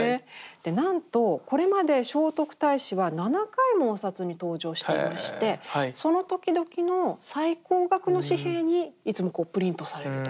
でなんとこれまで聖徳太子は７回もお札に登場していましてそのときどきの最高額の紙幣にいつもプリントされると。